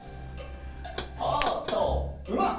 そうそううま！